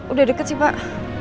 udah deket sih pak